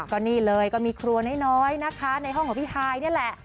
ก็นี่เลยก็มีครัวน้อยนะคะในห้องของพี่ฮายนี่แหละ